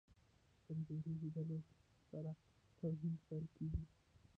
د کمزوري لیدلو سره توهین پیل کېږي.